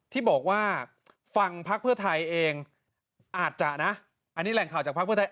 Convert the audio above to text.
ที่บอกว่าฟังพักเพื่อไทยเองอาจจะนะอันนี้แหล่งข่าวจากภักดิ์เพื่อไทย